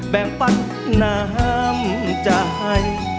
แบ่งปันน้ำใจ